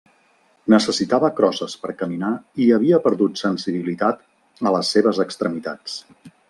Necessitava crosses per caminar i havia perdut sensibilitat a les seves extremitats.